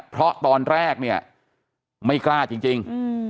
เพราะตอนแรกเนี่ยไม่กล้าจริง